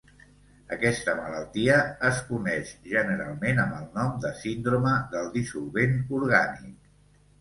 Aquesta malaltia es coneix generalment amb el nom de "síndrome del dissolvent orgànic".